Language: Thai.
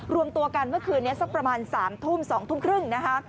รวมตัวกันเมื่อคืนนี้สักประมาณ๓ทุ่ม๒ทุ่มครึ่งนะคะ